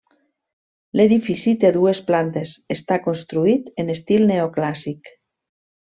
L'edifici de dues plantes, està construït en estil neoclàssic.